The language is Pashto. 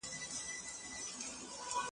دوی به خپله څېړنه پای ته رسوي.